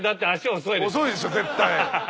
遅いでしょ絶対。